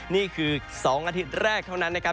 นี่คือ๒อาทิตย์แรกเท่านั้นนะครับ